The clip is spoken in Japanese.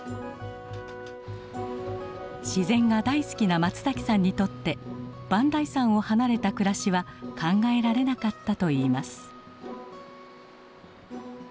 自然が大好きな松さんにとって磐梯山を離れた暮らしは考えられなかったといいます。